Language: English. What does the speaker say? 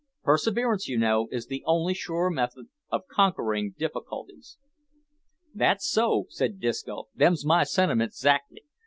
Perseverance, you know, is the only sure method of conquering difficulties." "That's so," said Disco; "them's my sentiments 'xactly.